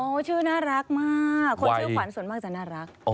ชื่อน่ารักมากคนชื่อขวัญส่วนมากจะน่ารัก